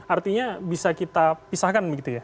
artinya bisa kita pisahkan begitu ya